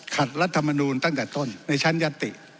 รัฐมนูลตั้งแต่ต้นในชั้นยัตติ